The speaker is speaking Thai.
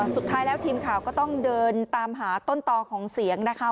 สุดท้ายแล้วทีมข่าวก็ต้องเดินตามหาต้นต่อของเสียงนะคะ